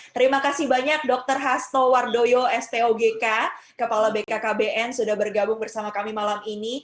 terima kasih banyak dr hasto wardoyo stogk kepala bkkbn sudah bergabung bersama kami malam ini